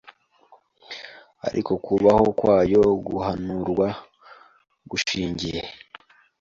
ariko kubaho kwayo guhanurwa gushingiye